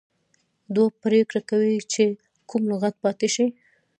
دوی پریکړه کوي چې کوم لغت پاتې شي.